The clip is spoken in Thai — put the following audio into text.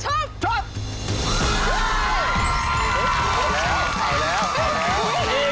เสาคำยันอาวุธิ